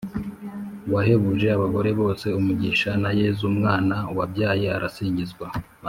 wahebuje abagore bose umugisha na yezu umwana wabyaye arasingizwa